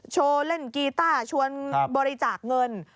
โชว์เล่นกีต้าชวนบริจาคเงิน